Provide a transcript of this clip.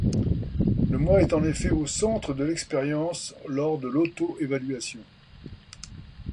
Le moi est en effet au centre de l'expérience lors de l'auto-évaluation.